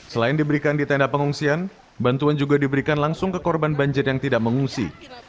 selain diberikan di tenda pengungsian bantuan juga diberikan langsung ke korban banjir yang tidak mengungsi